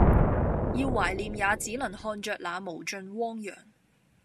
要懷念也只能看著那無盡汪洋